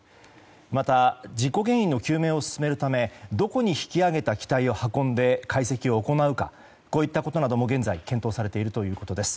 また、事故原因の究明を進めるためどこに引き揚げた機体を運んで解析を行うかこういったことなども現在、検討されているということです。